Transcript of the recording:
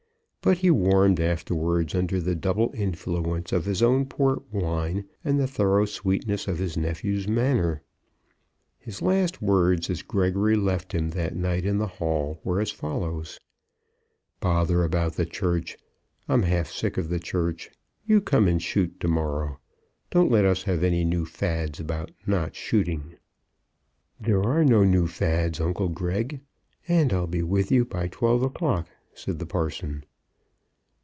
But he warmed afterwards under the double influence of his own port wine, and the thorough sweetness of his nephew's manner. His last words as Gregory left him that night in the hall were as follows: "Bother about the church. I'm half sick of the church. You come and shoot to morrow. Don't let us have any new fads about not shooting." "There are no new fads, uncle Greg, and I'll be with you by twelve o'clock," said the parson.